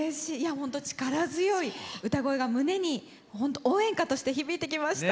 本当、力強い歌声が胸に本当、応援歌として響いてきました。